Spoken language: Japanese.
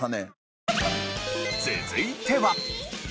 続いては。